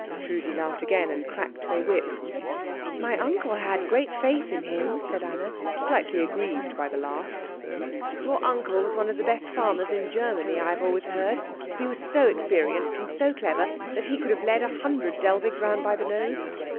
Trudi laughed again, and cracked her whip. "My uncle had great faith in him," said Anna, slightly aggrieved by the laugh. "Your uncle was one of the best farmers in Germany, I have always heard. He was so experienced, and so clever, that he could have led a hundred Dellwigs round by the nose.